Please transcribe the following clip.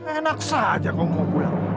enak saja kau mau pulang